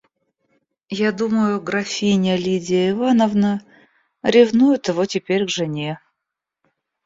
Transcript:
Я думаю, графиня Лидия Ивановна ревнует его теперь к жене.